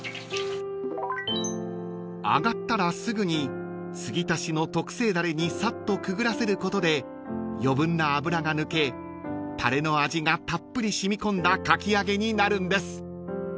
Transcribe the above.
［揚がったらすぐにつぎ足しの特製ダレにさっとくぐらせることで余分な油が抜けタレの味がたっぷり染み込んだかき揚げになるんです］